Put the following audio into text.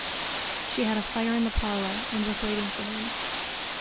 She had a fire in the parlour, and was waiting for him.